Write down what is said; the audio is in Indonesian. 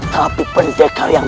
tapi pendekar yang